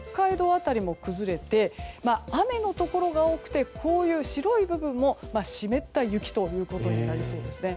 辺りも崩れて雨のところが多くて、白い部分も湿った雪ということになりそうですね。